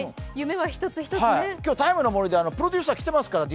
今日、「ＴＩＭＥ，の森」でプロデューサー来てますから。